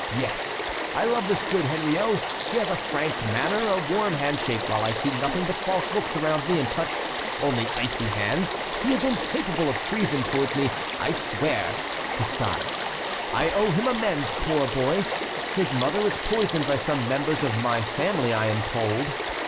Yes, I love this good Henriot. He has a frank manner, a warm handshake, while I see nothing but false looks around me, and touch, only icy hands. He is incapable of treason towards me, I swear. Besides, I owe him amends, poor boy! His mother was poisoned by some members of my family, I am told.